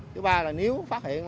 thứ ba là nếu phát hiện